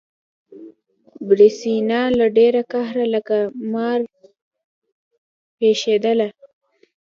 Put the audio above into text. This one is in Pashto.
سېرېنا له ډېره قهره لکه مار پشېدله.